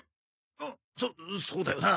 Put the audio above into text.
うっそそうだよな。